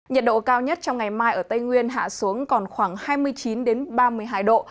nhiệt độ cao nhất trong ngày mai ở tây nguyên hạ xuống còn khoảng hai mươi chín ba mươi hai độ